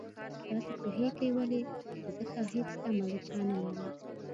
تاسو پوهېږئ ولې ځکه هېڅ تمه له چا نه لرم.